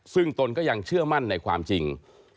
ซึ่งตนก็ยังเชื่อมั่นในความจริง